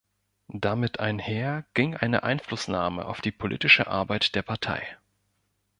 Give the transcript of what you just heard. Damit einher ging eine Einflussnahme auf die politische Arbeit der Partei.